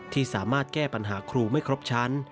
ที่สามารถแก้ปัญหาครูไม่ครบชั้น